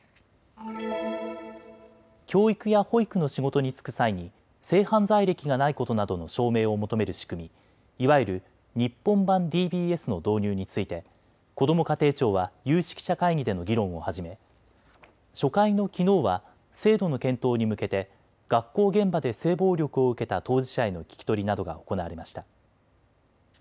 教育や保育の仕事に就く際に性犯罪歴がないことなどの証明を求める仕組み、いわゆる日本版ＤＢＳの導入についてこども家庭庁は有識者会議での議論を始め初回のきのうは制度の検討に向けて学校現場で性暴力を受けた当事者への聞き取りなどが行われました。